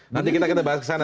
nanti kita bahas kesana